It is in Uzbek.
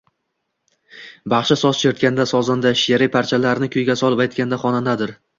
Baxshi soz chertganda sozanda, she'riy parchalarni kuyga solib aytganda xonandadir